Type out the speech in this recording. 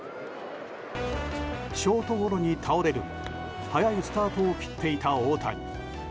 ショートゴロに倒れるも早いスタートを切っていた大谷。